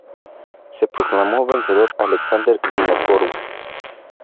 Se proclamó vencedor Alexander Vinokourov.